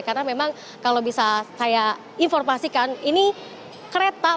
karena memang kalau bisa saya informasikan ini kereta